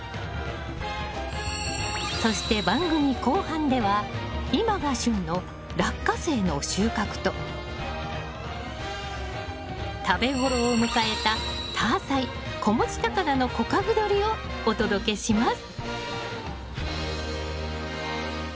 そして番組後半では今が旬のラッカセイの収穫と食べ頃を迎えたタアサイ子持ちタカナの小株どりをお届けします！